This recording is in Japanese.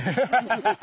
ハハハハハ！